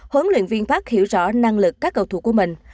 huấn luyện viên park hiểu rõ năng lực các cầu thủ của mình